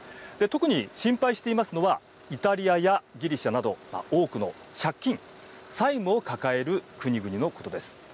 特に心配していますのはイタリアやギリシャなど多くの借金債務を抱える国々のことです。